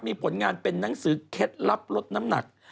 มีผลงานเป็นนังสือเคล็ดลับลดน้ำหนัก